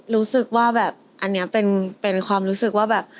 รู้สึกว่าแบบอันนี้เป็นความรู้สึกว่าแบบ